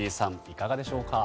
いかがでしょうか？